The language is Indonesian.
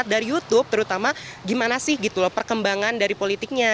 dari youtube terutama gimana sih gitu loh perkembangan dari politiknya